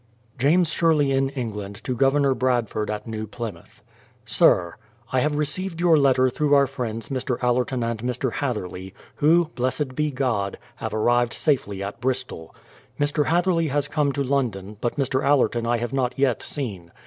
James Sherley in England to Governor Bradford at New Plymouth: Sir, I have received your letter through our friends Mr. Allerton and Mr. Hatherley, who, blessed be God, have arrived safely at Bristol. THE PLYMOUTH SETTLEMENT 229 Mr. Hatherley has come to London, but Mr. Allerton I have not yet seen.